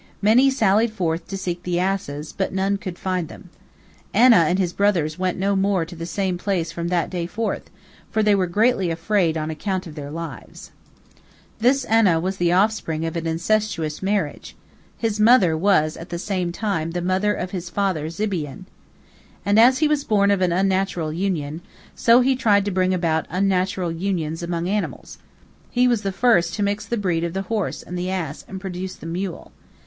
Many sallied forth to seek the asses, but none could find them. Anah and his brothers went no more to the same place from that day forth, for they were greatly afraid on account of their lives. This Anah was the offspring of an incestuous marriage; his mother was at the same time the mother of his father Zibeon. And as he was born of an unnatural union, so he tried to bring about unnatural unions among animals. He was the first to mix the breed of the horse and the ass and produce the mule.